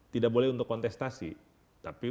tidak boleh untuk kontestasi tapi